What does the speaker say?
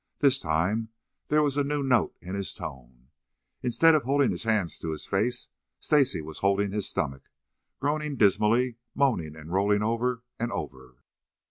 This time there was a new note in his tone. Instead of holding his hands to his face, Stacy was holding his stomach, groaning dismally, moaning and rolling over and over.